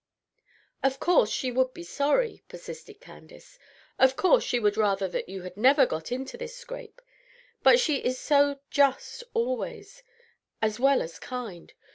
"Of course she would be sorry," persisted Candace. "Of course she would rather that you had never got into this scrape. But she is so just always, as well as kind.